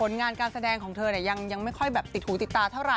ผลงานการแสดงของเธอเนี่ยยังไม่ค่อยติดหูติดตาเท่าไหร่